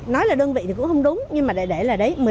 nói là đơn vị thì cũng không đúng nhưng mà để là đấy